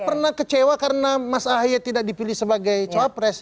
kita kecewa karena mas ahli tidak dipilih sebagai cowok pres